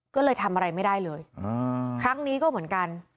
ก็เลยทำอะไรไม่ได้เลยครั้งนี้ก็เหมือนกัน